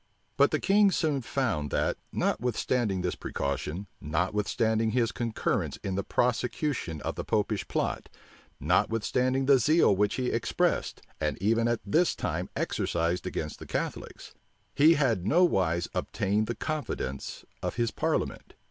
But the king soon found that, notwithstanding this precaution, notwithstanding his concurrence in the prosecution of the Popish plot, notwithstanding the zeal which he expressed, and even at this time exercised against the Catholics, he had nowise obtained the confidence of his parliament.